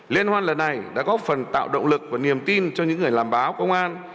liên hoan lần này đã góp phần tạo động lực và niềm tin cho những người làm báo công an